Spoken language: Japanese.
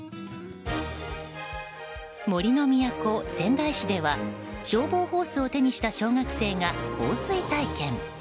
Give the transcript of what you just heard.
杜の都・仙台市では消防ホースを手にした小学生が放水体験。